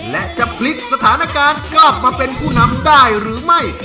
และจะพลิกสถานการณ์กลับมาเป็นผู้นำได้หรือไม่